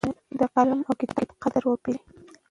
د قلم او کتاب قدر وپېژنئ.